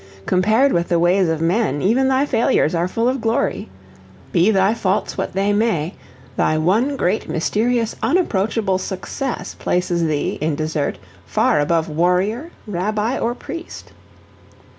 Compared with the ways of men, even thy failures are full of glory. Be thy faults what they may, thy one great, mysterious, unapproachable success places thee, in desert, far above warrior, rabbi or priest.